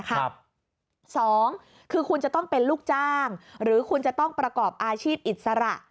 สองคือคุณจะต้องเป็นลูกจ้างหรือคุณจะต้องประกอบอาชีพอิสระ